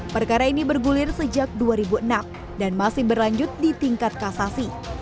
perkara ini bergulir sejak dua ribu enam dan masih berlanjut di tingkat kasasi